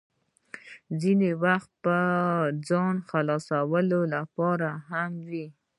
ځینې وخت به د ځان خلاصولو لپاره هم وې.